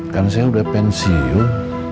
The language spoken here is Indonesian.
kan saya udah pensiun